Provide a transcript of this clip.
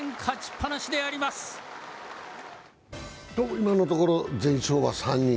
今のところ全勝は３人。